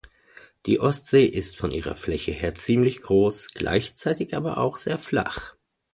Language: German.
Die Ostsee ist von ihrer Fläche her ziemlich groß, gleichzeitig aber auch sehr flach.